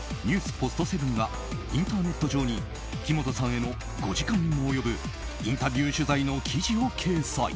ポストセブンがインターネット上に木本さんへの５時間にも及ぶインタビュー取材の記事を掲載。